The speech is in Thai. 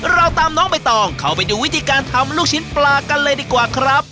เราตามน้องใบตองเข้าไปดูวิธีการทำลูกชิ้นปลากันเลยดีกว่าครับ